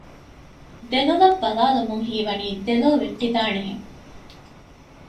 ދެލޮލަށް ބަލާލުމުން ހީވަނީ ދެލޯ ވެއްޓިދާނެ ހެން